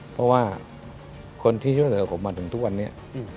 เพราะว่าคนที่ช่วยเหลือผมมาถึงทุกวันนี้